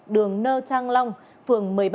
đường nơ trang long phường một mươi ba